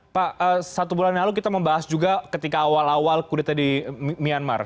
pak satu bulan lalu kita membahas juga ketika awal awal kudeta di myanmar